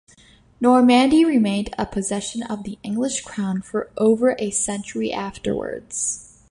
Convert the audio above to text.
Normandy remained a possession of the English crown for over a century afterwards.